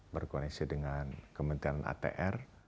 berkoneksi dengan kementerian atr